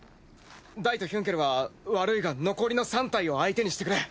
ダイとヒュンケルは悪いが残りの３体を相手にしてくれ。